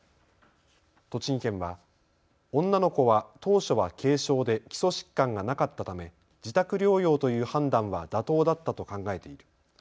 栃木県は、女の子は当初は軽症で基礎疾患がなかったため自宅療養という判断は妥当だったと考えている。